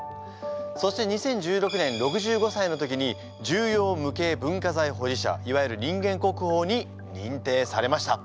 そして２０１６年６５歳の時に重要無形文化財保持者いわゆる人間国宝に認定されました。